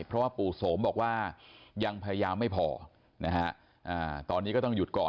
เพราะว่าปู่โสมบอกว่ายังพยายามไม่พอนะฮะตอนนี้ก็ต้องหยุดก่อน